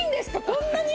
こんなに！？